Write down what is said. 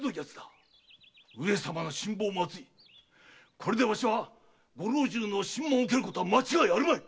これでわしはご老中の審問を受けることは間違いあるまい。